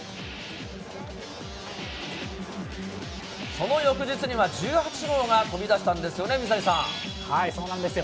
その翌日には１８号が飛び出したそうなんですよ。